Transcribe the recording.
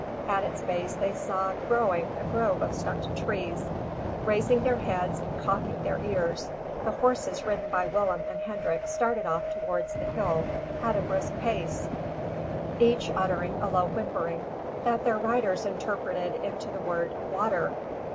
At its base they saw growing a grove of stunted trees. Raising their heads and cocking their ears, the horses ridden by Willem and Hendrik started off towards the hill at a brisk pace, each uttering a low whimpering, that their riders interpreted into the word Water.